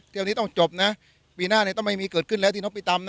เที่ยวนี้ต้องจบนะปีหน้าเนี่ยต้องไม่มีเกิดขึ้นแล้วที่นกพิตำนะ